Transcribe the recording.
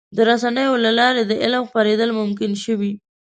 د رسنیو له لارې د علم خپرېدل ممکن شوي.